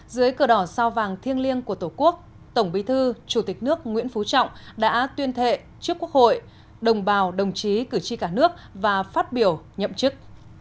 dưới cờ đỏ sao vàng thiêng liêng của tổ quốc tổng bí thư chủ tịch nước nguyễn phú trọng đã tuyên thệ trước quốc hội đồng bào đồng chí cử tri cả nước và phát biểu nhậm chức